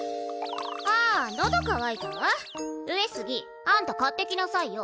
あ喉渇いたわ上杉あんた買ってきなさいよ